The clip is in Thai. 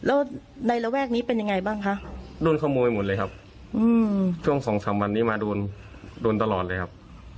แล้วในระแวกนี้เป็นยังไงบ้างคะโดนขโมยหมดเลยครับอืมช่วงสองสามวันนี้มาโดนโดนตลอดเลยครับ